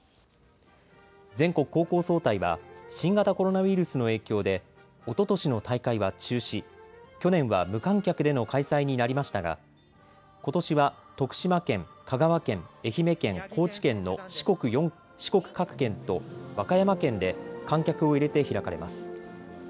全国高校総体は新型コロナウイルスの影響でおととしの大会は中止、去年は無観客での開催になりましたがことしは徳島県、香川県、愛媛県、高知県の四国各県と和歌山県で観客を入れて開かれます。